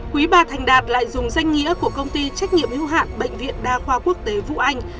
quý bà thành đạt lại dùng danh nghĩa của công ty trách nhiệm hữu hạn bệnh viện đa khoa quốc tế vũ anh